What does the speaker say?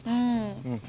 うん。